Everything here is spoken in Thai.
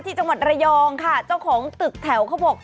ที่จังหวัดระยองค่ะเจ้าของตึกแถวเขาบอก